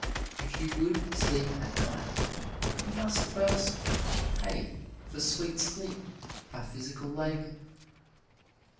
If you would sleep at night, you must first pay for sweet sleep by physical labor.